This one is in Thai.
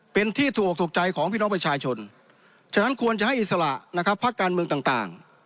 เป็นที่ถูกออกถูกใจของพี่น้องประชาชนฉะนั้นควรจะให้อิสระนะครับพักการเมืองต่าง